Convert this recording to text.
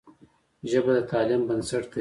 ژبه د تعلیم بنسټ دی.